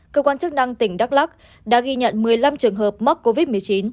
cơ quan chức năng tỉnh đắk lắc đã ghi nhận một mươi năm trường hợp mắc covid một mươi chín